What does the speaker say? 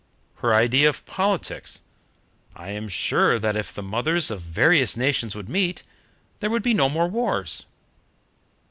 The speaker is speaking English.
Her idea of politics "I am sure that if the mothers of various nations could meet, there would be no more wars."